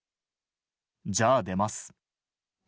じゃあ、出ます。